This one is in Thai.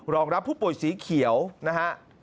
รับผู้ป่วยสีเขียวนะฮะ